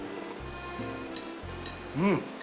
うん！